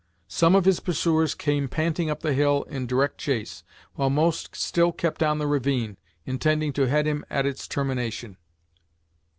Some of his pursuers came panting up the hill in direct chase, while most still kept on in the ravine, intending to head him at its termination.